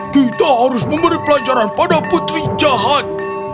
kita harus memberi pelajaran pada putri jahat